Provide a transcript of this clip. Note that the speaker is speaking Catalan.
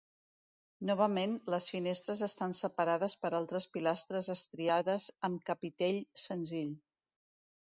Novament, les finestres estan separades per altres pilastres estriades amb capitell senzill.